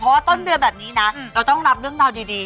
เพราะว่าต้นเดือนแบบนี้นะเราต้องรับเรื่องราวดี